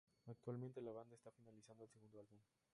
Actualmente la banda está finalizando el segundo álbum.